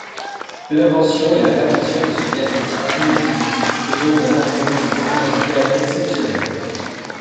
L'invention et la perfection de ce diacritique inutile est donc d'un archaïsme grammatical exceptionnel.